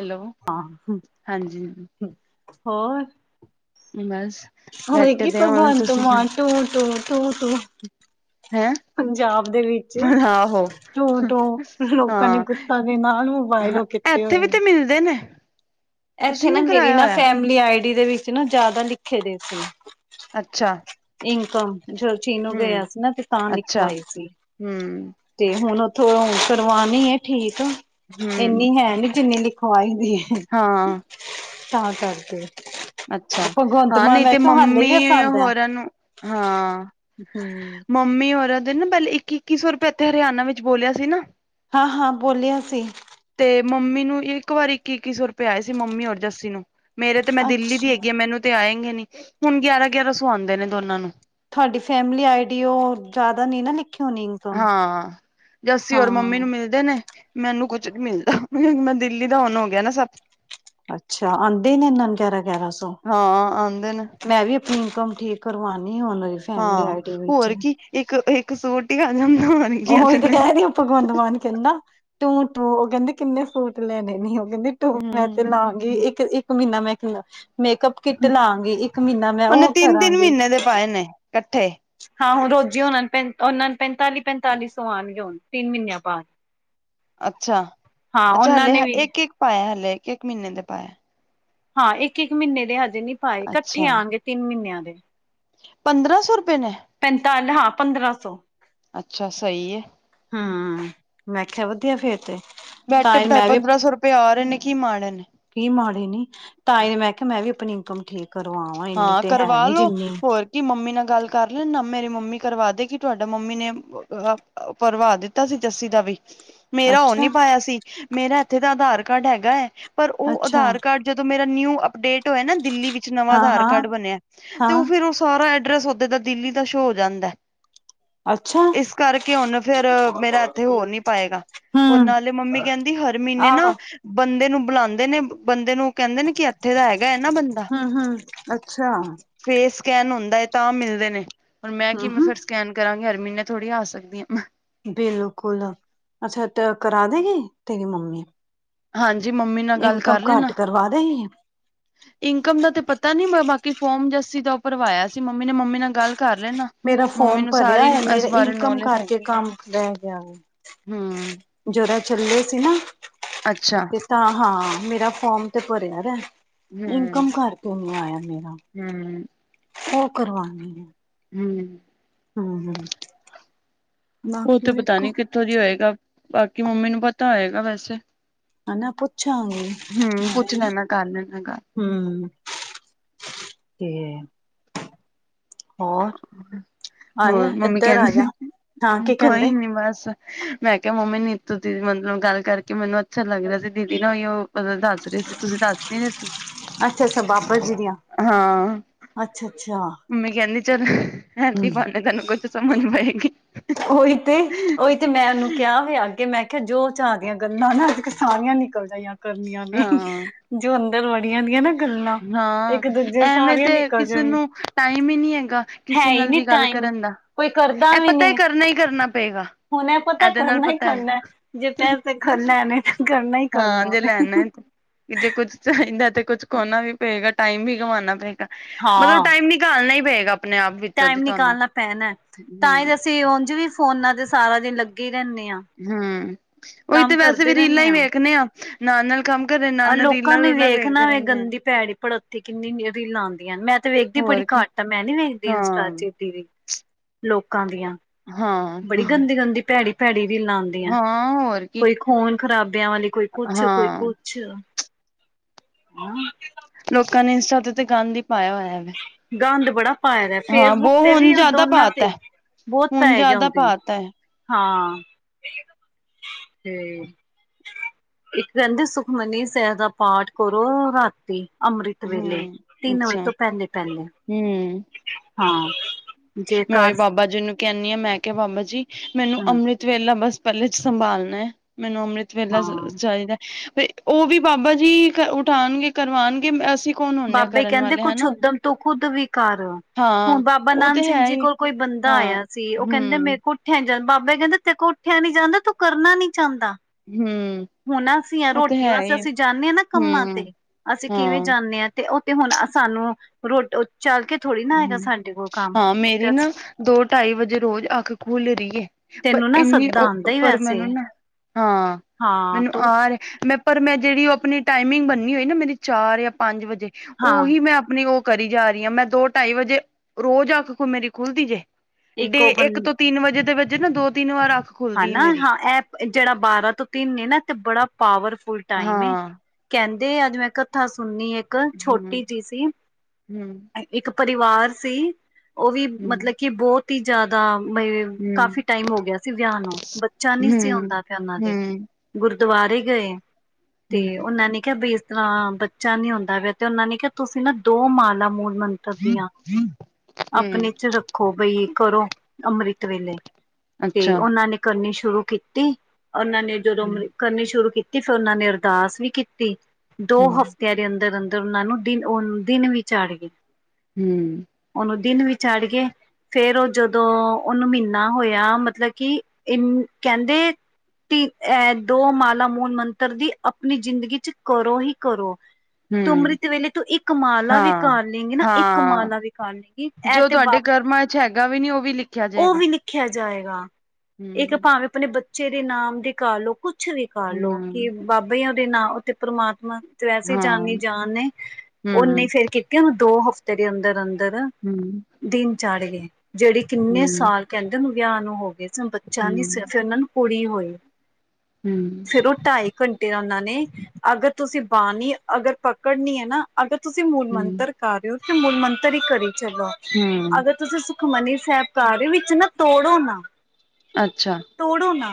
Hello ਹਾਂ ਹਾਂਜੀ ਹੋਰ ਬਸ ਬੈਠੇ ਹੋਇਗੀ ਦੇ ਹੁਣ ਭਗਵੰਤ ਤੁਸੀਂ ਮਾਨ ਟੂੰ ਤੋਂ ਟੁ ਤੋਂ ਹੈਂ ਪੰਜਾਬ ਦੇ ਵਿੱਚ ਆਹੋ ੋਟੋ ਲੋਕਾਂ ਨੇ ਹਾਂ ਗੁੱਸਾਂ ਦੇ ਨਾਲ ਮੋਬਾਇਲੋ ਕੀਤੇ ਇੱਥੇ ਹੋਏ ਵੀ ਤੇ ਨੇ ਮਿਲਦੇ ਨੇ ਇੱਥੇ ਤੁਸੀਂ ਨਾ ਨੀ ਮੇਰੀ ਕਰਾਇਆ ਨਾ ਹੋਇਆ ਫੈਮਿਲੀ ਆਈ ਡ ਦੇ ਵਿੱਚ ਨਾ ਜਿਆਦਾ ਲਿਖੇ ਦੇ ਸੀ ਅੱਛਾ ਇਨਕਮ ਜਦੋਂ ਚੀਨ ਨੂੰ ਗਿਆ ਹਮ ਸੀ ਨਾ ਤੇ ਤਾਂ ਅੱਛਾ ਲਿਖਵਾਏ ਸੀ ਹਮ ਤੇ ਹੁਣ ਉੱਥੋਂ ਕਰਵਾਾਨ ਆ ਠੀਕ ਹਮ ਇੰਨੀ ਹੈ ਨੀ ਜਿੰਨੀ ਲਿਖਵਾਈ ਦੀ ਹੈ ਹਾਂ ਤਾਂ ਕਰਦੇ ਅੱਛਾ ਹਾਂ ਨਹੀਂ ਤੇ ਮੰਮੀ ਹੋਰਾਂ ਨੂੰ ਹਾਂ ਹਮ ਮੰਮੀ ਰਾਂ ਦੇ ਨਾ ਪਹਿਲੇ ਇੱਕ ਇੱਕੀ ਸੌ ਰੁਪਇ ਇੱਥੇ ਹਰਿਆਣਾ ਵਿੱਚ ਬੋਲਿਆ ਸੀ ਨਾ ਹਾਂ ਹਾਂ ਬੋਲਿਆ ਸੀ ਤੇ ਮੰਮੀ ਨੂੰ ਇੱਕ ਵਾਰੀ ਇੱਕ ਇੱਕੀ ਸੌ ਰੁਪਇਆ ਆਏ ਸੀ ਮੰਮੀ ਔਰ ਜੱਸੀ ਨੂੰ ਮੇਰੇ ਤੇ ਮੈਂ ਦਿੱਲੀ ਦੀ ਅੱਛਾ। ਹੈਗੀ ਆ ਮੈਨੂੰ ਤੇ ਆਏਗੇ ਨੀ ਹੁਣ ਗਿਆਰਾਂ ਗਿਆਰਾਂ ਸੌ ਆਉਂਦੇ ਨੇ ਦੋਨਾਂ ਨੂੰ ਤੁਹਾਡੀ ਫੈਮਿਲੀ ਆਈਡੀ ਉਹ ਜ਼ਿਆਦਾ ਨਹੀਂ ਨਾ ਲਿਖੇ ਹੋਣੀ ਇਨਕਮ ਹਾਂ ਜੱਸੀ ਹਾਂ ਹੋਰ ਮੰਮੀ ਨੂੰ ਮਿਲਦੇ ਨੇ ਮੈਨੂੰ ਕੁਛ ਨੀ ਮਿਲਦਾ ਮੈਂ ਦਿੱਲੀ ਦਾ ਨ ਹੋ ਗਿਆ ਨਾ ਸਭ ਅੱਛਾ ਆਉਂਦੇ ਹੀ ਨੇ ਇਨਾਂ ਗਿਆਰਾਂ ਗਿਆਰਾਂ ਸੌ ਹਾਂ ਆਉਂਦੇ ਨੇ ਮੈਂ ਵੀ ਇਨਕਮ ਠੀਕ ਕਰਵਾਉਣੀ ਉਹ ਹਾਂ ਹੋਰ ਕੀ ਇੱਕ ਇੱਕ ਸੂਟ ਹੀ ਆ ਜਾਂਦਾ ਹੋ ਉਹੀ ਤੇ ਕਹਿ ਰਹੀ ਆ ਭਗਵੰਤ ਮਾਨ ਕਹਿੰਦਾ ਤੂੰ ਤੂੰ ਉਹ ਕਹਿੰਦੇ ਕਿੰਨੇ ਸੂਟ ਲੈਣੇ ਨੇ ਉਹ ਕਹਿੰਦੇ ਟੂ ਹਮ ਮੈਂ ਤੇ ਲਾਵਾਂਗੀ ਇੱਕ ਇੱਕ ਮਹੀਨਾ ਮੈਂ ਮੇਕਅਪ ਕਿੱਟ ਲਾਵਗੀ ਇੱਕ ਮਹੀਨਾ ਮੈਂ ਉਹਨੇ ਉਹ ਤਿੰਨ ਤਿੰਨ ਕਰਾਂਗੀ ਮਹੀਨੇ ਦੇ ਪਾਏ ਨੇ ਇਕੱਠੇ ਹਾਂ ਹੁਣ ਰੋਜ਼ੀ ਉਹਨਾਂ ਨੂੰ ਪ ਉਹਨਾਂ ਨੂੰ ਪੈਂਤਾਲੀ ਪੈਤਾਲੀ ਸੌ ਆਉਣਗੇਣ ਤਿੰਨ ਮਹੀਨਿਆਂ ਬਾਅਦ ਅੱਛਾ ਹਾਂ ਅੱਛਾ ਉਹਨਾਂ ਹਲੇ ਨੇ ਵੀ ਇੱਕ ਇੱਕ ਪਾਾਇਆ ਹਲੇ ਇੱਕ ਇੱਕ ਮਹੀਨੇ ਦੇ ਪਾਾਇਆ ਹਾਂ ਇੱਕ ਇੱਕ ਮਹੀਨੇ ਦੇ ਹਜੇ ਨਹੀਂੀ ਪਾਏ ਇਕੱਠੇ ਅੱਛਾ ਆਉਣਗੇ ਤਿੰਨ ਮਹੀਨਿਆਂ ਦੇ ਪੰਦਰਾਂ ਸੌ ਰੁਪਏ ਨੇ ਪੈਂਤਾਲੀ ਹਾਂ ਪੰਦਰਾਂ ਸੌ ਅੱਛਾ ਸਹੀ ਹੈ [unintelligible] ਮੈਂਖਿਆ ਵਧੀਆ ਫੇਰ ਤੇ ਤਾਂ ਬੈਠੇ ਹੀ ਬਿਠਾਏ ਮੈਂ ਵੀ ਪੰਦਰਾਂ ਸੌ ਰੁਪਏ ਆ ਰਹੇ ਨੇ ਕੀ ਮਾੜੇ ਨੇ ਕੀ ਮਾੜੇ ਨੀ ਤਾਈ ਨੇ ਮੈਂ ਕਿਹਾ ਮੈਂ ਵੀ ਆਪਣੀ ਇਨਕਮ ਠੀਕ ਕਰਵਾਵਾਂ ਇੰਨੀ ਤੇ ਹੈ ਨੀ ਜਿੰਨੀ ਕਿ ਮੰਮੀ ਨਾਲ ਗੱਲ ਕਰ ਲੈਣ ਨਾ ਮੇਰੀ ਮੰਮੀ ਕਰਵਾ ਦੇ ਕਿ ਤੁਹਾਡਾ ਮੰਮੀ ਨੇ ਭਰਵਾ ਦਿੱਤਾ ਸੀ ਜੱਸੀ ਦਾ ਵੀ ਮੇਰਾ ਉਹ ਨੀ ਅੱਛਾ ਪਾਇਆ ਸੀ ਮੇਰਾ ਇੱਥੇ ਤਾਂ ਆਧਾਰ ਕਾਰਡ ਹੈਗਾ ਹੈ ਪਰ ਉਹ ਅੱਛਾ ਆਧਾਰ ਕਾਰਡ ਜਦੋਂ ਮੇਰਾ ਨਿਊ ਅਪਡੇਟ ਹੋਇਆ ਨਾ ਦਿੱਲੀ ਵਿੱਚ ਨਵਾਂ ਹਾਂ ਆਧਾਰ ਹਾਂ ਕਾਰਡ ਬਣਿਆ ਤੇ ਹਾਂ ਫਿਰ ਉਹ ਸਾਰਾ ਅਡ੍ਰਸ ਓਦਰ ਦਾ ਦਿੱਲੀ ਦਾ ਸ਼ੋ ਹੋ ਜਾਂਦਾ ਅੱਛਾ ਇਸ ਕਰਕੇ ਹੂਨ ਫੇਿਰ ਮੇਰਾ ਇੱਥੇ ਹੋਰ ਨੀ ਪਾਏਗਾ ਉਹ ਹੂੰ ਨਾਲੇ ਮੰਮੀ ਕਹਿੰਦੀ ਹਰ ਮਹੀਨੇ ਆਹੋ ਨਾ ਬੰਦੇ ਨੂੰ ਬੁਲਾਉਂਦੇ ਨੇ ਬੰਦੇ ਨੂੰ ਕਹਿੰਦੇ ਨੇ ਕਿ ਇੱਥੇ ਦਾ ਹੈਗਾ ਹੈ ਨਾ ਬੰਦਾ [unintelligible] ਅੱਛਾ ਫੇਸ ਸਕੈਨ ਹੁੰਦਾ ਹੈ ਤਾਂ ਮਿਲਦੇ ਨੇ ਹੁਣ ਮੈਂ ਕਿ ਮਤ ਹੂੰ ਫਿਰ ਸਕੈਨ ਕਰਾਂਗੇ, ਹਰ ਮਹੀਨੇ ਥੋੜ੍ਹੀ ਆ ਸਕਦੀ ਆ। ਬਿਲਕੁਲ, ਅੱਛਾ ਕਰਾ ਦੇਗੀ ਤੇਰੀ ਮੰਮੀ ਹਾਂਜੀ, ਮੰਮੀ ਨਾਲ ਗੱਲ ਇਨਕਮ ਕਰ ਰਹੇ ਨਾ। ਘੱਟ ਕਰਵਾ ਦੇਗੀ ਇਨਕਮ ਦਾ ਤੇ ਪਤਾ ਨੀ ਬਾਕੀ ਫੋਰਮ ਜਸੀ ਦਾ ਭਰਵਾਇਆ ਸੀ ਮੰਮੀ ਨੇ ਮੰਮੀ ਨਾਲ ਗੱਲ ਕਰ ਲੈਣਾ ਮੇਰਾ ਮੰਮੀ ਫੋਮ ਨੂੰ ਭਰਿਆ ਸਾਰੀ ਹੋਇਆ ਮੇਰਾ ਇਸ ਬਾਰੇ ਇਨਕਮ ਨੌਲੇਜ ਕਰਕੇ ਹੈਗੀ ਕੰਮ ਰਹਿ ਗਿਆ ਵੇ ਹਮ ਜਰਾ ਚੱਲੇ ਸੀ ਨਾ ਅੱਛਾ ਤੇ ਤਾਂ ਹਾਂ ਮੇਰਾ ਫੋਮ ਤੇ ਭਰਿਆ ਰ ਹੂੰ ਇਨਕਮ ਕਰਕੇ ਮ ਆਇਆ ਮੇਰਾ ਹੂੰ ਉਹ ਕਰਵਾਾਨੀ ਹੈ [unintelligible] ਬਾਕੀ ਵੇਖੋ ਉਥੋਂ ਦੀ ਹੋਏਗਾ ਬਾਕੀ ਮੰਮੀ ਨੂੰ ਪਤਾ ਹੋਏਗਾ ਵੈਸੇ ਹਨਾ ਪੁੱਛਾਂਗੀ ਹਮ ਪੁੱਛ ਮੈਂ ਨਾ ਲੈਣਾ ਕਰ ਲੈਣਾ ਗਲ ਹੂੰ, ਤੇ ਹੋਰ ਹੋਰ ਆਜਾ ਮੰਮੀ ਇੱਧਰ ਆਜਾ ਹਾਂ ਕਹਿੰਦੇ ਕੀ ਕੋਈ ਕਹਿੰਦੇ ਨੀ ਬਸ ਮੈਂ ਕਿਹਾ ਮੰਮੀ ਨੀਤੂ ਦੀਦੀ ਮਤਲਬ ਗੱਲ ਕਰਕੇ, ਮੈਨੂੰ ਅੱਛਾ ਲੱਗ ਰਿਹਾ ਸੀ ਦੀਦੀ ਨਾਈ ਉਹ ਦੱਸ। ਦੱਸ ਰਹੇ ਸੀ, ਤੁਸੀਂ ਦੱਸ ਕੇ ਰਹੇ ਸੀ। ਅੱਛਾ, ਅੱਛਾ ਬਾਬਾ ਜੀ ਦੀਆਂ। ਹਾਂ, ਅੱਛਾ ਅੱਛਾ ਮੰਮੀ ਕਹਿੰਦੀ ਚਲ ਹੈਥ ਹੂੰ ਪਾਉਂਦੇ ਤੈਨੂੰ ਕੁੱਛ ਸਮਝ ਆਏਗੀ। ਉਈ ਤੇ, ਤੇ ਮੈਂ ਉਹਨੂੰ ਕਿਹਾ ਵੀ ਅੱਗੇ ਮੈਂ ਕਿਹਾ, ਜੋ ਚਾਰ ਦੀਆਂ ਗੱਲਾਂ ਨਾ ਅੱਜ-ਕੱਲ ਸਾਰੀਆਂ ਨਿਕਲ ਜਾਈਆਂ। ਕਰਨੀਆਂ ਨੇ ਹਾਂ ਜੋ ਅੰਦਰ ਵੜੀਆਂ ਦੀਆਂ ਨਾ, ਗੱਲਾਂ ਹਾਂ ਇੱਕ ਦੂਜੇ ਐਵੇਂ ਸਾਰੀਆਂ ਤੇ ਨਿਕਲ ਕਿਸੇ ਜਾਣੀਆਂ ਨੂੰ ਟਾਈਮ ਹੀ ਨਹੀਂ ਹੈਗਾ। ਹੈ ਕਿਸੇ ਹੀ ਨਾਲ ਨਹੀਂ ਵੀ ਗੱਲ ਟਾਈਮ ਕਰਨ, ਦਾ ਕੋਈ ਇਹ ਪਤਾ ਇਹ ਕਰਨਾ ਹੀ ਕਰਨਾ ਪਏਗਾ। ਹੋਣਾ ਪਤਾ ਇਹਦੇ ਨਾਲ ਕਰਨਾ ਹੀ, ਪਤਾ ਹੈ ਖਕਨਾ ਜੇ ਪਿਆ ਤੇ ਖਕਨਾ ਨੇ ਤਾਂ ਕਰਨਾ ਹੀ ਹਾਂ ਕਰਨਾ ਜੇ ਉਹਨੇ ਲੈਣਾ ਤੇ ਜੇ ਕੁੱਛ ਚਾਹੀਦਾ, ਤੇ ਕੁੱਛ ਕਣਾ ਵੀ ਪਏਗਾ ਟਾਈਮ ਵੀ ਕਮਉਣਾ ਪਏਗਾ ਮਤਲਬ ਹਾਂ ਟਾਈਮ ਨੀ। ਗੱਲਣਾ ਪਏਗਾ ਆਪਣੇ ਆਪ ਵਿੱਚ ਟਾਈਮ ਨਿਕਾਲਣਾ ਪੈਣਾ ਤਾਂ ਹੀ, ਅਸੀਂ ਉਝ ਵੀ ਫੋਨਾਂ ਤੇ ਸਾਰਾ ਦਿਨ ਲੱਗੇ ਹੀ ਰਹਿੰਦੇ ਹਾਂ। ਹੂੰ ਉਹੀ ਤੇ ਕੰਮ ਵੈਸੇ ਵੀ ਕਰਦੇ ਰੀਲਾਂ ਰਹਿੰਦੇ ਹੀ ਹਾਂ ਵੇਖਣੇ, ਆ ਨਾਲ ਨਾਲ ਕੰਮ ਕਰ। ਆਹ ਲੋਕਾਂ ਨੂੰ ਵੇਖਣਾ ਵਾ ਗੰਦੀ ਭੈੜੀ ਪੜੱਤੀ ਕਿੰਨੀ ਰੀਲਾਂ ਆਉਂਦੀਆਂ, ਮੈਂ ਤੇ ਵੇਖਦੀ ਬੜੀ ਹੋਰ ਕੀ ਘੱਟ ਤਾਂ ਮੈਂ ਨੀ ਵੇਖਦੀ ਇੰਸਟਾ ਹਾਂ, ਚਟੀ ਵੀ, [unintelligible] ਲੋਕਾਂ ਦੀਆਂ ਹਾਂ, ਬੜੀ ਗੰਦੀ ਗੰਦੀ ਭੈੜੀ ਭੈੜੀ ਵੀ ਲਾਂਉਂਦੀ। ਹਾਂ ਹੋਰ ਕੀ ਕੋਈ ਖੂਨ ਖ਼ਰਾਬਿਆਂ ਵਾਲੀ ਕੋਈ ਕੁਛ ਕੋਈ ਹਾਂ ਕੁ ਅੱਛਾ, ਲੋਕਾਂ ਨੇ ਇੰਸਟਾ ਤੇ ਗੰਦ ਹੀ ਪਾਇਆ ਹੋਇਆ ਵਾ, ਗੰਦ ਬੜਾ, ਪਏ ਦਾ ਫੇਸਬੁੱਕ ਤੇ ਹੁਣ ਵੀ ਜ਼ਿਆਦਾ ਦੋਨਾਂ ਤੇ ਪਾਤਾ ਬਹੁਤ ਹੁਣ ਪਏ ਗ ਜ਼ਿਆਦਾ ਹੁੰਦੇ ਆ। ਪਾਤਾ ਹੈ ਹਾਂ, ਇੱਕ ਕਹਿੰਦੇ ਸੁਖਮਨੀ ਸਹਿ ਦਾ ਪਾਠ ਕਰੋ। ਅੰਮ੍ਰਿਤ ਵੇਲੇ ਹੂੰ। ਤਿੰਨ ਵਜੇ ਅੱਛਾ ਤੋਂ ਪਹਿਲੇ, ਪਹਿਲੇ ਹੂੰ, ਹਾਂ, ਜੇ ਮੈਂ ਉਹੀ ਕਰ ਬਾਬਾ ਜੀ ਨੂੰ ਕਹਿੰਦੀ ਆ, ਮੈਂ ਕਿਹਾ ਬਾਬਾ ਜੀ ਮੈਨੂੰ ਹਮ ਅੰਮ੍ਰਿਤ ਵੇਲਾ ਬਸ ਪਹਿਲੇ ਚ ਸੰਭਾਲਣਾ ਐ, ਮੈਨੂੰ ਅੰਮ੍ਰਿਤ ਵੇਲਾ ਚ ਹਾਂ ਚਾਹੀਦਾ ਐ ਪਰ ਉਹ ਵੀ ਬਾਬਾ ਜੀ, ਉਠਾਉਣਗੇ ਕਰਵਾਉਣਗੇ ਅਸੀਂ ਕੌਣ ਹੁੰਦੇ ਹਾਂ ਬਾਬੇ ਕਰਨ ਕਹਿੰਦੇ ਵਾਲੇ ਕੁਛ ਹਨਾ ਉਦਮ ਤੋਂ ਖੁੱਦ ਵੀ ਕਰ, ਹੁਣ ਹਾਂ ਬਾਬਾ ਬਾਬਾ ਉਹ ਨਾਨ ਤੇ ਸਿੰਘ ਹੈ ਜੀ ਹੀ ਕੋਲ ਕੋਈ ਬੰਦਾ ਹਾਂ ਆਇਆ ਸੀ, ਉਹ ਕਹਿੰਦੇ ਹਮ ਮੇਰੇ ਕੋਲ ਉੱਠਿਆ ਜਾਂਦਾ, ਬਾਬੇ ਕਹਿੰਦਾ ਤੇ ਕੋ ਉੱਠਿਆ ਨੀ ਜਾਂਦਾ ਤੂੰ ਕਰਨਾ ਨੀ ਚੁੰਦਾ। ਹੂੰ ਹੁਣ ਅਸੀਂ ਆ ਰੋਟੀ ਵਾਸਤੇ ਅਸੀਂ ਜਾਂਦੇ ਆ ਨਾ ਕੰਮਾਂ ਤੇ, ਹਮ ਅਸੀਂ ਕਿਵੇਂ ਹਾਂ ਜਾਂਦੇ ਐ ਤੇ ਉਹ ਤੇ ਹੁਣ ਸਾਨੂੰ ਰੋ ਚੱਲ ਕੇ ਥੋੜ੍ਹੀ ਨਾ ਹੈਗਾ ਹੂੰ ਸਾਡੇ ਕੋਲ ਕੰਮ ਹਾਂ, ਮੇਰੀ ਨਾ ਦੋ ਢਾਈ ਵਜੇ ਰੋਜ਼ ਅੱਖ ਭੁੱਲ ਰਹੀਏ, ਪਰ ਤੈਨੂੰ ਨਾ ਇੰਨੀ ਸੱਦਾ ਉਹ ਆਉਂਦਾ ਹੀ ਪਰ ਵੈਸੇ ਮੈਨੂੰ ਨਾ ਹਾਂ ਹਾਂ ਮੈਨੂੰ ਤੂੰ ਆ ਰਿਹਾ, ਮੈਂ ਪਰ ਮੈਂ ਜਿਹੜੀ ਉਹ ਆਪਣੀ ਟਾਈਮਿੰਗ ਬਣਨੀ ਹੋਈ ਨਾ, ਮੇਰੀ ਚਾਰ ਜਾਂ ਪੰਜ ਵਜੇ, ਹਾਂ ਉਹੀ ਮੈਂ ਆਪਣੀ ਉਹ ਕਰੀ ਜਾ ਰਹੀ, ਹਾਂ ਮੈਂ ਦੋ ਢਾਈ ਵਜੇ ਰੋਜ਼ ਆਖ ਕੋ ਮੇਰੀ ਖੁੱਲਦੀ ਜੇ, ਡੇ ਉਹ ਬੰ ਇੱਕ ਤੋਂ ਤਿੰਨ ਵਜੇ ਦੇ ਵਜੇ ਨਾ ਦੋ ਤਿੰਨ ਵਾਰ ਖੁੱਲਦੀ ਹੈ ਹਨਾ ਮੇਰੀ ਹਾਂ, ਇਹ ਜਿਹੜਾ ਬਾਰਾਂ ਤੋਂ ਤਿੰਨ ਆ ਨਾ ਤੇ ਬੜਾ ਪਾਵਰਫੁਲ ਟਾਈਮ ਆ। ਹਾਂ ਕਹਿੰਦੇ, ਅੱਜ ਮੈਂ ਕਥਾ ਸੁਣਨੀ ਇੱਕ ਹਮ ਛੋਟੀ ਜੀ ਸੀ। ਹਮ ਇੱਕ ਪਰਿਵਾਰ ਸੀ, ਉਹ ਵੀ ਮਤਲਬ ਹਮ ਕਿ ਬਹੁਤ ਜ਼ਿਆਦਾ ਕਾਫੀ ਹਮ ਟਾਈਮ ਹੋ ਗਿਆ। ਵਿਆਹ ਨੂੰ ਬੱਚਾ ਨਹੀਂ ਸੀ ਹਮ ਹੁੰਦਾ ਪਿਆ ਉਹਨਾਂ ਦੇ, ਹਮ ਗੁਰਦੁਆਰੇ ਗਏ। ਤੇ ਹਮ ਉਹਨਾਂ ਨੇ ਕਿਹਾ ਬੇ ਆਹ ਬੱਚਾ ਨੀ ਹੁੰਦਾ ਵਆ, ਤੇ ਉਹਨਾਂ ਨੇ ਕਿਹਾ ਤੁਸੀਂ ਨਾ ਦੋ ਮਾਲਾ ਮੂਲ ਮੰਤ ਤਰ ਦੀਆਂ ਹਮ ਆਪਣੇ 'ਚ ਰੱਖੋ ਬਈ ਕਰੋ, ਅੰਮ੍ਰਿਤ ਵੇਲੇ। ਤੇ ਅੱਛਾ ਉਹਨਾਂ ਨੇ ਕਰਨੀ ਸ਼ੁਰੂ ਕੀਤੀ, ਉਹਨਾਂ ਨੇ ਜਦੋਂ ਹਮ ਕਰਨੀ ਸ਼ੁਰੂ ਕੀਤੀ, ਫਿਰ ਉਹਨਾਂ ਨੇ ਅਰਦਾਸ ਵੀ ਕੀਤੀ ਦੋ ਹਮ ਹਫ਼ਤੇ ਤਿਆਂ ਅੰਦਰ ਅੰਦਰ ਉਹਨਾਂ ਨੂੰ ਦਿਨ ਉਹ ਦਿਨ ਵੀ ਚਾੜ ਗਏ। ਹੂੰ ਉਹਨੂੰ ਦਿਨ ਵੀ ਚੜ ਗਏ, ਫੇਰ ਉਹ ਜਦੋਂ ਉਹਨੂੰ ਮਹੀਨਾ ਹੋਇਆ ਮ ਤਲਬ ਕਿ ਕਹਿੰਦੇ ਤੀ ਅਹ ਦੋ ਮਾਲਾ ਮੂਲ ਮੰਤਰ ਦੀ ਆਪਣੀ ਜ਼ਿੰਦਗੀ 'ਚ ਕਰੋ ਹੀ ਕਰੋ। ਤੂੰ ਹਮ ਅੰਮ੍ਰਿਤ ਵੇਲੇ ਤੂੰ ਇੱਕ ਮਾਲਾ ਵੀ ਹਾਂ ਕਰ ਲੈਂਗੀ ਨਾ, ਇੱਕ ਹਾਂ ਮਾਲਾ ਵੀ ਕਰ ਲੇਗੀ। ਜੋ ਤੁਹਾਡੇ ਕਰਮਾਂ ਵਿੱਚ ਹੈਗਾ ਵੀ ਨੀ ਉਹ ਵੀ ਲਿਖਿਆ ਜਾ ਉਹ ਵੀ ਲਿਖਿਆ ਜਾਏਗਾ, ਇੱਕ ਹਮ ਭਾਵੇਂ ਆਪਣੇ ਬੱਚੇ ਦੇ ਨਾਮ ਦੇ ਕਰ ਲਓ, ਕੁਛ ਕੁਛ ਵੀ ਕਰ ਲਓ, ਹਮ ਕਿ ਬਾਬਾ ਜੀ ਨਾ ਉਤੇ ਨਾਂ ਉੱਤੇ ਪਰਮਾਤਮਾ ਤੇ ਵੈਸੇ ਹਾਂ ਜਾਨੀ ਜਾਨ ਨੇ, ਉਹਨੇ ਫੇਰ ਕੀਤੀ ਉਹਨੂੰ ਦੋ ਹਫ਼ਤੇ ਦੇ ਅੰਦਰ ਅੰਦਰ ਹੂੰ ਦਿਨ ਚੜ੍ਹ ਗਏ, ਜਿਹੜੀ ਕਿੰਨੇ ਸਾਲ ਕਹਿੰਦੇ ਵਿਆਹ ਨੂੰ ਹੋ ਗਏ ਸਾ, ਬੱਚਾ ਨੀ ਸਾ, ਫਿਰ ਹੂੰ-ਹੂੰ-ਹੂੰ-ਹੂੰ-ਹੂੰ-ਹੂੰ ਉਹਨਾਂ ਨੂੰ ਕੁੜੀ ਹੋਈ। ਹੂੰ ਫਿਰ ਉਹ ਢਾਈ ਘੰਟੇ ਉਹਨਾਂ ਨੇ, ਅਗਰ ਤੁਸੀਂ ਬਾਣੀ ਅਗਰ ਪਕੜਨੀ ਹੈ ਨਾ। ਅਗਰ ਤੁਸੀਂ ਮੂਲ ਮੰਤਰ ਕਰ ਰਹੇ ਹੋ, ਤੇ ਮੂਲ ਮੰਤਰ ਹੀ ਕਰੀ ਚੱਲੋਂ, ਅਗਰ ਤੁਸੀਂ ਮਨੀ ਸਾਹਿਬ ਕਰ ਵਿੱਚ ਨਾ ਤੋੜੋ ਨਾ। ਅੱਛਾ ਤੋੜੋ ਨਾ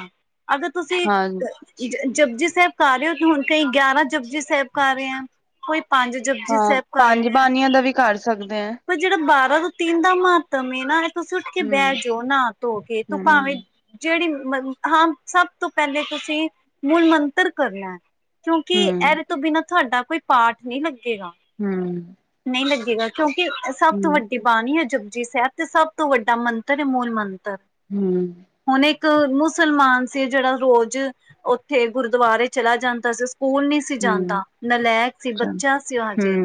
ਅਗਰ, ਤੁਸੀਂ ਹਾਂ, ਜੱ ਜ ਜਪਜੀ ਸਾਹਿਬ ਕਰ ਰਹੇ ਹੋ, ਹੁਣ ਕਈ ਗਿਆਰਾਂ ਜੁਪਜੀ ਸਾਹਿਬ ਕਰ ਰਹੇ ਆ ਕੋਈ ਪੰਜ ਜਪੁਜੀ ਹਾਂ ਸਾਹਿਬ ਕਰ ਪੰਜ ਰਿਹਾ ਆ। ਬਾਣੀਆਂ ਦਾ ਵੀ ਕਰ ਸਕਦੇ ਐ। ਪਰ ਜਿਹੜਾ ਬਾਰਾਂ ਤੋਂ ਤਿੰਨ ਦਾ ਮਹਤਮ ਐ ਨਾ ਤੁਸੀਂ ਉੱਠ ਕੇ ਬਹਿ ਹੂੰ-ਹੂੰ-ਹੂੰ-ਹੂੰ-ਹੂੰ-ਹੂੰ ਜਾਓ ਨਾ ਧੋ ਕੇ, ਤੂੰ ਭਾਵੇਂ ਜਿਹੜੀ ਮ ਹਾਂ, ਸਭ ਤੋਂ ਪਹਿਲੇ ਤੁਸੀਂ ਮੂਲ ਮੰਤਰ ਕਰਨਾ ਐ। ਕਿਉਂਕਿ ਇਹਦੇ ਤੋਂ ਬਿਨਾਂ ਤੁਹਾਡਾ ਕੋਈ ਪਾਠ ਨਹੀਂ ਲੱਗੇਗਾ। ਹੂੰ ਨਹੀਂ ਲੱਗੇਗਾ, ਕਿਉਂਕਿ ਸਭ ਤੋਂ ਵੱਡੀ ਬਾਣੀ ਐ ਜਪੁਜੀ ਸਾਹਿਬ ਤੇ ਸਭ ਤੋਂ ਵੱਡਾ ਮੰਤਰ ਐ, ਮੂਲ ਮੰਤਰ। ਹਮ ਹੁਣ ਇੱਕ ਮੁਸਲਮਾਨ ਸੀ ਜਿਹੜਾ ਰੋਜ਼ ਉੱਥੇ ਗੁਰਦੁਆਰੇ ਚਲਾ ਜਾਂਦਾ ਸੀ ਸਕੂਲ ਨੀ ਸੀ ਜਾਂਦਾ ਨਲੈਕ ਸੀ ਅੱਛਾ ਬੱਚਾ ਸੀ ਉਹ ਹਜੇ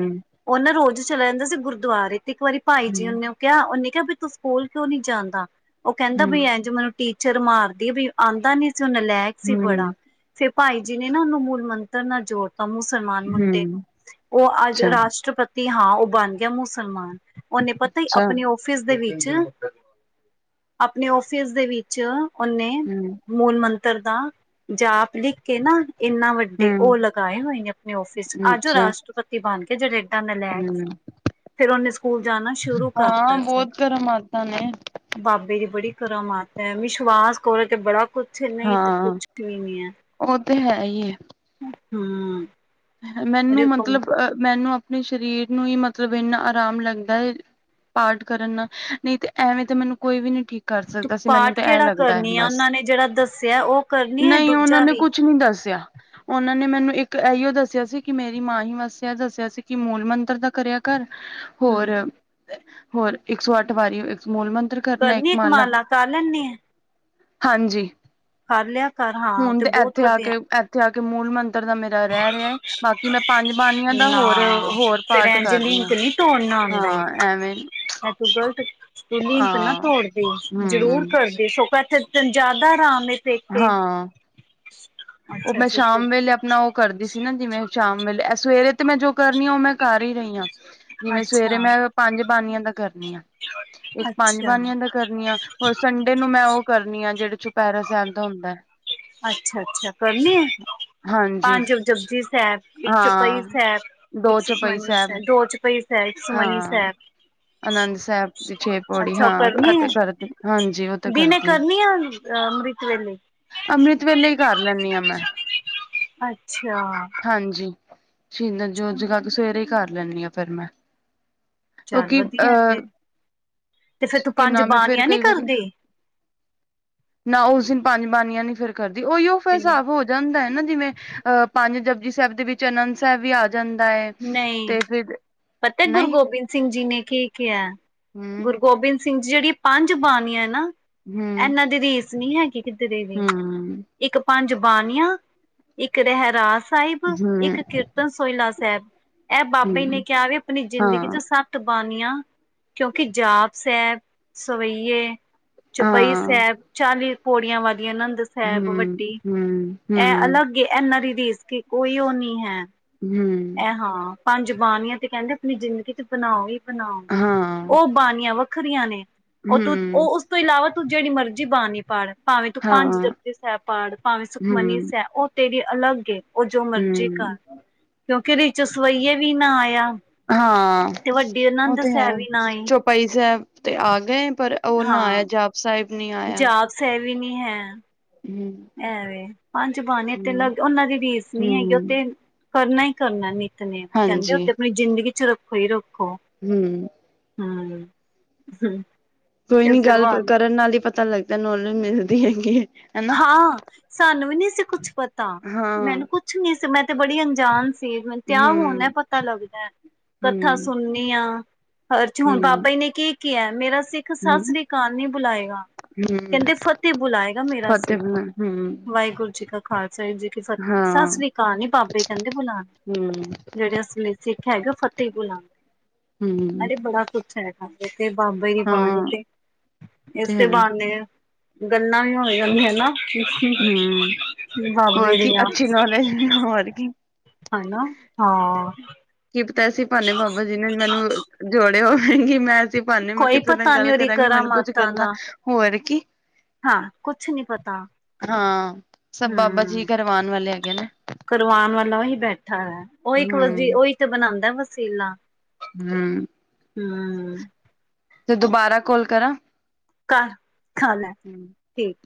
ਉਹ ਨਾ ਰੋਜ਼ ਚਲਾ ਜਾਂਦਾ ਸੀ ਗੁਰਦੁਆਰੇ ਤੇ ਇੱਕ ਵਾਰੀ ਭਾਈ ਜੀ ਉਹਨੇ ਕਿਹਾ ਉਹਨੇ ਕਿਹਾ ਵੀ ਤੂੰ ਸਕਲ ਕਿਉਂ ਨੀ ਜਾਂਦਾ ਉਹ ਕਹਿੰਦਾ ਬਈ ਹੂੰ-ਹੂੰ-ਹੂੰ-ਹੂੰ-ਹੂੰ ਇਂਝ ਮੈਨੂੰ ਟੀਚਰ ਮਾਰਦੀ ਬਈ ਆਉਂਦਾ ਨੀ ਸੀ ਉਹ ਨਲੈਕ ਸੀ ਬੜਾ ਫਿਰ ਭਾਈ ਜੀ ਨੇ ਨਾ ਉਹਨੂੰ ਮੂਲ ਮੰਤਰ ਨਾਲ ਜੋੜ ਮੁਸਲਮਾਨ ਮੁੰਡੇ ਨੂੰ ਉਹ ਅੱਜ ਅੱਛਾ, ਰਾਸ਼ਟਰਪਤੀ ਹਾਂ ਉਹ ਬਣ ਗਿਆ ਮੁਸਲਮਾਨ ਉਹਨੇ ਪਤਾ ਹੀ ਅੱਛਾ ਆਪਣੇ ਫਿਸ ਦੇ ਵਿੱਚ ਆਪਣੇ ਫਿਸ ਦੇ ਵਿੱਚ ਉਹਨੇ ਹਮ ਮੂਲ ਮੰਤਰ ਦਾ ਜਾਪ ਲਿਖ ਕੇ ਨਾ ਇੰਨਾ ਵੱਡਾ ਉਹ ਹੂੰ-ਹੂੰ ਲਗਾਏ ਹੋਏ ਨੇ ਆਪਣੇ ਆਫਿਸ ਚ ਆਜੋ ਉਹ ਅੱਛਾ ਰਾਸ਼ਟਰਪਤੀ ਬਣ ਕੇ ਜਿਹੜੇ ਜਨੇਤਾਂ ਨੇ ਲੈਟ ਹੂੰ ਫਿਰ ਉਹਨੇ ਸਕੂਲ ਜਾਣਾ ਸ਼ੁਰੂ ਹਾਂ ਕਰਤਾ ਸੀ ਬਹੁਤ ਕਰਮਾਤਾ ਨੇ ਬਾਬੇ ਦੀ ਬੜੀ ਕਰ ਮਾਤ ਹੈ ਵਿਸ਼ਵਾਸ ਖੋਲ ਕੇ ਬੜਾ ਕੁਛ ਕੁੱਛ ਨਹੀਂ ਤਾਂ ਹਾਂ ਕੁੱਛ ਵੀ ਨੀ ਹੈ ਉਹ ਤੇ ਹੈ ਈ ਐ ਹੂ ਮੈਨੂੰ ਮਤਲਬ ਅ ਮੈਨੂੰ ਆਪਣੇ ਸਰੀਰ ਨੂੰ ਹੀ ਮਤਲਬ ਇੰਨਾ ਆਰਾਮ ਲੱਗਦਾ ਹੈ ਪਾਠ ਕਰਨ ਨਹੀਂ ਤੇ ਐਵੇਂ ਤਾਂ ਮੈਨੂੰ ਕੋਈ ਵੀ ਨੀ ਠੀਕ ਕਰ ਤੂੰ ਸਕਦਾ ਸੀ ਮੈਨੂੰ ਪਾਠ ਤੇ ਇਹ ਕਿਹੜਾ ਲੱਗਦਾ ਹੈ ਕਰਨੀ ਆ ਬਸ ਉਹਨਾਂ ਨੇ ਜਿਹੜਾ ਦੱਸਿਆ ਉਹ ਕਰਨੀ ਹੈ ਨਹੀਂ ਉਹਨਾਂ ਦੂਜਾ ਨੇ ਵੀ ਕੁਛ ਨੀ ਦੱਸ ਉਹਨਾਂ ਨੇ ਮੈਨੂੰ ਇੱਕ ਇਹੀਓ ਦੱਸਿਆ ਦੱਸਿਆ ਸੀ ਕਿ ਮੇਰੀ ਮਾਂ ਹੀ ਵਾਸਿਆ ਦੱਸਿਆ ਸੀ ਕਿ ਮੂਲ ਮੰਤਰ ਦਾ ਕਰਿਆ ਕਰ ਹੂੰ ਹੋਰ ਹੋਰ ਇੱਕ ਸੌ ਅੱਠ ਵਾਰੀ ਮੂਲ ਮੰਤਰ ਕਰਨਾ ਕਰਨੀ ਇੱਕ ਮਾਲਾ ਇੱਕਮਾਲਾ ਕਰ ਲੈਂਦੀ ਆ ਹਾਂਜੀ ਕਰ ਲਿਆ ਕਰ ਹਾਂ ਹੁਣ ਤੇ ਬਹੁਤ ਇੱਥੇ ਆ ਵਧੀਆ ਕੇ ਉੱਥੇ ਆ ਕੇ ਮੂਲ ਮੰਤਰ ਦਾ ਮੇਰਾ ਰਹਿ ਰਿਹਾਏ ਨਾ ਹੋਰ ਫਿਰ ਪਾਠ ਕਰ ਰਹੀ ਐਜਲੀਕ ਹਾਂ ਨੀ ਤੋੜਨਾ ਆਉਂਦਾ ਹਾਂ ਐਵੇਂ ਆਪ ਤੂੰ ਗ਼ਲਤ ਤੇ ਡੇਲੀ ਨਾ ਹਾਂ ਤੋੜਦੇ ਜ਼ਰੂਰ ਹੂੰ ਕਰ ਇੱਕ ਸੌ ਪੈਂਤੀ ਦਿਨ ਜ਼ਿਆਦਾ ਆਰਾਮ ਹੈ ਪੇਕੇ ਹਾਂ ਉਹ ਅੱਛਾ ਮੈਂ ਅੱਛਾ ਸ਼ਾਮ ਵੇਲੇ ਆਪਣਾ ਉਹ ਕਰਦੀ ਸੀ ਨਾ ਜਿਵੇਂ ਸ਼ਾਮ ਵੇਲੇ ਸਵੇਰੇ ਤੇ ਮੈਂ ਜੋ ਕਰਨੀ ਆ ਉਹ ਮੈਂ ਕਰ ਹੀ ਰਹੀ ਹਾਂ ਜਿਵੇਂ ਸਵੇਰੇ ਮੈਂ ਪੰਜ ਬਾਨੀਆਂ ਦਾ ਕਰ ਨਹੀਂ ਆ ਇੱਕ ਪੰਜ ਅੱਛਾ ਬਾਣੀਆਂ ਦਾ ਕਰਨੀ ਆ ਹੋਰ ਸੰਡੇ ਨੂੰ ਮੈਂ ਉਹ ਕਰਨੀ ਆ ਜਿਹੜੇ ਚੁਪਹਿਰਾ ਸਾਹਿਬ ਦਾ ਹੁੰਦਾ ਅੱਛਾ ਅੱਛਾ ਕਰਨੀ ਆ ਹਾਂਜੀ ਜਬਜੀ ਸਾਹਿਬ ਇੱਕ ਚਪਈ ਹਾਂ ਸਾਹਿਬ ਇੱਕ ਦੋ ਚੌਪਈ ਸੁਖਮਨੀ ਸਾਹਿਬ ਦੋ ਚਪਈ ਸਾਹਿਬ ਇੱਕ ਸੁਮਨੀ ਹਾਂ ਸਾਹਿਬ ਆਨੰਦ ਸਾਹਿਬ ਦੀ ਛੇ ਪੌੜੀ ਅੱਛਾ ਉਹ ਹਾਂ ਕਰਨੀ ਹੈ ਅਤੇ ਕਰਦੀ ਹਾਂਜੀ ਉਹ ਤੇ ਦਿਨੇ ਕਰਦੀ ਆ ਕਰਨੀ ਹੈ ਅੰਮ੍ਰਿਤ ਹਾਂ ਨਹੀਂ ਅੰਮ੍ਰਿਤ ਵੇਲੇ ਹੀ ਕਰ ਲੈਂਦੀ ਹੈ ਮੈਂ ਅੱਛਾ ਹਾਂਜੀ ਸ਼ਦ ਜੋ ਜਗਾ ਕੇ ਸਵੇਰੇ ਹੀ ਕਰ ਲੈਦੀ ਆਾਂ ਫਿਰ ਮੈਂ ਚੱਲ ਕਿਉਂਕਿ ਵਧੀਆ ਤੇ ਅਹ ਤੇ ਫੇਰ ਤੂੰ ਪੰਜ ਕਿਨਾ ਮੈਂ ਫਿਰ ਬਾਣੀਆਂ ਨੀ ਕਈ ਵਾਰੀ ਕਰਦੀ ਨਾ ਉਸ ਦਿਨ ਪੰਜ ਬਾਨੀਆਂ ਨੀ ਫਿਰ ਕਰਦੀ ਉਹੀ ਉਹ ਫਿਰ ਕਿੰਨੀ ਸਾਫ਼ ਹੋ ਜਾਂਦਾ ਹੈ ਨਾ ਜਿਵੇਂ ਅਹ ਪੰਜ ਜਪਜੀ ਸਾਹਿਬ ਦੇ ਵਿੱਚ ਆਨੰਦ ਸਾਹਿਬ ਵੀ ਆ ਜਾਂਦਾ ਹੈ ਨਹੀਂ ਤੇ ਫਿਰ ਪਤਾ ਗੁਰੂ ਨਹੀਂ ਗੋਬਿੰਦ ਸਿੰਘ ਜੀ ਨੇ ਕੀ ਕਿਹਾ ਹਮ ਗੁਰੂ ਗੋਬਿੰਦ ਸਿੰਘ ਸਿੰਘ 'ਚ ਜਿਹੜੀ ਪੰਜ ਬਾਣੀਆਂ ਨਾ ਹਮ ਇਹਨਾਂ ਦੀ ਰੀਸ ਨਹੀਂ ਹੈਗੀ ਕਿਧਰੇ ਵੀ। ਹਮ ਇੱਕ ਪੰਜ ਬਾਣੀਆਂ ਹੈ। ਇੱਕ ਰਹਿਰਾਸ ਸਾਹਿਬ ਹਮ ਇੱਕ ਕੀਰਤਨ ਸੋਹਿਲਾ। ਸਾਹਿਬ ਇਹ ਬਾਬੇ ਜੀ ਨੇ ਹਮ ਕਿਹਾ ਵੀ ਆਪਣੀ ਜ਼ਿੰਦਗੀ ਹਾਂ ਚੋਂ ਸਭ। ਬਾਨੀਆਂ ਕਿਉਂਕਿ ਜਾਪ ਸਾਹਿਬ ਸਵਈਏ। ਚੌਪਈ ਹਾਂ ਸਾਹਿਬ, ਚਾਲੀ ਪੌੜੀਆਂ ਵਾਲੀ, ਆਨੰਦ ਸਾਹਿਬ, ਹਮ ਵੱਡੀ ਹਮ ਇਹ ਹਮ ਅਲੱਗ। ਕਿ ਐਨਾ ਦੀ ਰੀਸ ਕੋਈ ਉਹ ਨੀ ਹੈ। ਹੂ। ਇਹ ਹਾਂ ਪੰਜ ਬਾਣੀਆਂ ਤੇ ਕਹਿੰਦੇ ਆਪਣੀ ਜ਼ਿੰਦਗੀ 'ਚ ਬਣਾਓ ਹੀ ਬਣਾਓ। ਹਾਂ ਉਹ ਬਾਣੀਆਂ ਵੱਖਰੀਆਂ ਨੇ ਉਹ ਤੂੰ ਹਮ ਉਹ ਉਸ ਤੋਂ ਇਲਾਵਾ ਤੂੰ ਜਿਹੜੀ ਮਰਜ਼ੀ ਬਾਣੀ ਪੜ। ਭਾਵੇਂ ਤੂੰ ਪੰਜ ਹਾਂ ਜਪੁਜੀ ਸਾਹਿਬ ਪੜ। ਭਾਵੇਂ ਸੁਖਮਨੀ ਹਮ ਸਾਹਿਬ ਉਹ ਤੇਰੀ ਅਲੱਗ ਏ। ਉਹ ਜੋ ਮਰਜ਼ੀ ਕਰ ਹਮ ਕਿਉਂਕਿ ਇਸ 'ਚ ਸਵਈਏ ਵੀ ਨਾ ਆਇਆ ਹਾਂ। ਤੇ ਵੱਡੀ ਉਹ ਆਨੰਦ ਤੇ ਹੈ ਸਾਹਿਬ ਵੀ ਨਾ ਆਈ ਚੌਪਾਈ ਸਾਹਿਬ ਤੇ ਆ ਗਏ। ਪਰ ਉਹ ਨਾ ਆਇਆ ਜਾਪ ਸਾਹਿਬ ਨੀ ਆਇਆ ਹੈ। ਸੇਵਾ ਨਹੀਂ ਹੈ। ਹੂ,,, ਐਵੇਂ ਪੰਜ ਬਾਣੀ ਤੇ ਲ ਉਹਨਾਂ ਦੀ ਰੀਸ ਨੀ ਹੈਗੀ ਹੂੰ ਉਹਥ ਕਰਨਾ ਹੀ ਕਰਨਾ ਨੇ ਨੇ ਕਹਿੰਦੇ ਹਾਂਜੀ ਉਥੇ ਆਪਣੀ ਜ਼ਿੰਦਗੀ ਚ ਰੱਖੋ ਹੀ ਰੱਖੋ ਹੂ,,, ਹੂ ਹੂ,,, ਕੋਈ ਨੀ ਗੱਲ ਕਰਨ ਨਾਲ ਹੀ ਪਤਾ ਲੱਗਦਾ ਨੌਲੇਜ ਮਿਲਦੀ ਹੈਗੀ ਹੈ ਹਨਾ। ਹਾਂ ਸਾਨੂੰ ਵੀ ਨੀ ਸੀ ਕੁਛ ਪਤਾ ਹਾਂ ਹੂੰ। ਮੈਨੂੰ ਕੁਛ ਨੀ ਸੀ ਮੈਂ ਤੇ ਬੜੀ ਅਣਜਾਨ ਕੇਵਲ ਤੇ ਆ ਹੋਣਾ ਹੂੰ, ਪਤਾ ਲੱਗਦਾ ਕੱਥਾ ਹੂੰ, ਸੁਣਨੀ ਹਾਂ। ਹਰ 'ਚ ਹੁਣ ਬਾਬਾ ਜੀ ਨੇ ਕੀ ਕਿਹਾ ਮੇਰਾ ਸਿੱਖ। ਸਿੱਖ ਸਤਿ ਹੂੰ, ਸ੍ਰੀ ਆਕਾਲ ਕਾਲ ਨੀ ਬੁਲਾਏਗਾ। ਹੂੰ ਕਹਿੰਦੇ ਫਤਿਹ ਬੁਲਾਏਗਾ ਮੇਰਾ ਸਿੱਖ। [unintelligible] ਹੂੰ। ਵਾਹਿਗੁਰੂ ਜੀ ਕਾ ਖਾਲਸਾ। ਵਾਹਿਗੁਰੂ ਜੀ ਕੀ ਫਤਿਹ। ਸਤਿ ਹਾਂ ਸ੍ਰੀ ਅਕਾਲ ਨੀ ਬਾਬੇ ਕਹਿੰਦੇ ਬੁਲਾਣੀ। ਹੂੰ, ਜਿਹੜੇ ਅਸਲੀ ਸਿੱਖ ਹੈਗੇ। [unintelligible] ਉਹ ਫਤਿਹ ਬੁਲਾਂਦੇ ਆ ਹੂੰ ਅਰੇ ਬੜਾ ਕੁਛ ਹੈ। ਹਾਂ ਤੇ ਬਾਬੇ ਦੀ ਬਾਣੀ ਹਾਂ ਤੇ ਤੇ ਇਸੇ ਹੈ ਬਾਹਨੇ। ਗੱਲਾਂ ਵੀ ਹੋ ਜਾਂਦੀਆਂ ਨੇ। ਹਨਾ। [unintelligible] ਹੂੰ ਹੋਰ ਕੀ ਅੱਛੀ ਨੌਲੇਜ ਹੋਰ ਕੀ। ਹਨਾ ਹਾਂ। ਕੀ ਪਤਾ ਐਸੇ ਬਹਾਨੇ ਬਾਬਾ ਜੀ ਨੇ ਮੈਨੂੰ ਜੋੜਿਆਂ ਹੋਵੇ ਕਿ ਮੈਂ। ਇਸੇ ਬਹਾਨੇ ਮੈਂ ਕੋਈ ਕਿਸੇ ਨਾਲ ਪਤਾ ਨੀ ਗੱਲ ਉਹਦੀ ਕਰਾਂਗੀ ਮੈਨੂੰ ਕੁੱਝ ਕਰਾਮਾਤਾਂ ਗੱਲਾਂ ਦਾ ਹੋਰ ਕੀ। ਹਾਂ ਕੁਛ ਨੀ ਪਤਾ ਹਾਂ ਸਭ ਬਾਬਾ ਜੀ ਹਮ ਕਰਵਾਨ ਵਾਲੇ ਹੈਗੇ ਨੇ। ਕਰਵਾਉਣ ਵਾਲਾ ਉਹੀ ਬੈਠਾ ਏ। ਉਹ ਇੱਕ ਵਾਰੀ ਹਮ ਉਹੀ ਤੇ ਬਣਾਉਂਦਾ ਹੈ। ਵਸੀਲਾ। ਹੂੰ। ਹੂੰ। ਤੇ ਦੁਬਾਰਾ ਕੌਲ ਕਰਾਂ। [unintelligible] ਹੂੰ। ਠੀਕ।